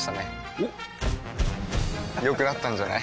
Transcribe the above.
おっ良くなったんじゃない？